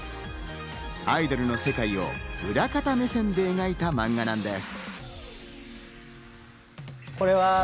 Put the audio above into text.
アイドルの世界を裏方目線で描いたマンガなんです。